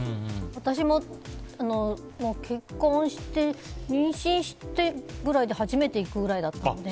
私も結婚して、妊娠してぐらいで初めて行くぐらいだったので。